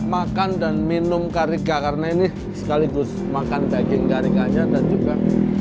makan dan minum karika karena ini sekaligus makan daging karikanya dan juga